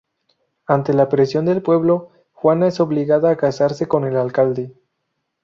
Ante la presión del pueblo, Juana es obligada a casarse con el alcalde.